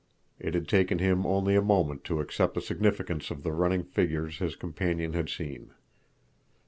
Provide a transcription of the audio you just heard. It had taken him only a moment to accept the significance of the running figures his companion had seen.